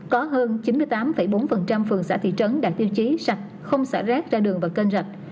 có hơn chín mươi tám bốn phường xã thị trấn đạt tiêu chí sạch không xả rác ra đường và kênh rạch